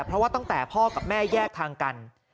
เพราะว่าตั้งแต่พ่อกับแม่แยกทางกัน